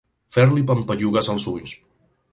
Fer-li pampallugues els ulls.